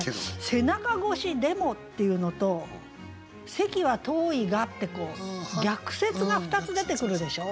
「背中越しでも」っていうのと「席は遠いが」って逆説が２つ出てくるでしょ。